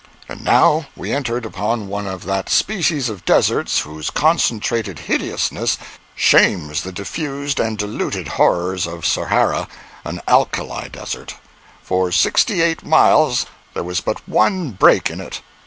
And now we entered upon one of that species of deserts whose concentrated hideousness shames the diffused and diluted horrors of Sahara—an "alkali" desert. For sixty eight miles there was but one break in it.